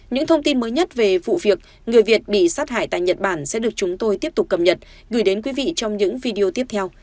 những thông tin mới nhất về vụ việc người việt bị sát hại tại nhật bản sẽ được chúng tôi tiếp tục cập nhật gửi đến quý vị trong những video tiếp theo